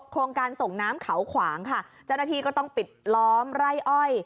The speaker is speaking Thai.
โครงการส่งน้ำเขาขวางค่ะเจ้าหน้าที่ก็ต้องปิดล้อมไร่อ้อย